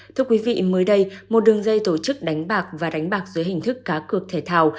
thưa quý vị mới đây một đường dây tổ chức đánh bạc và đánh bạc dưới hình thức cá cược thể thao